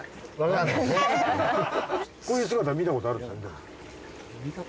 こういう姿見たことあるんですか？